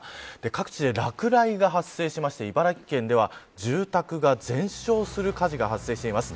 各地で落雷が発生して茨城県では住宅が全焼する火事が発生しています。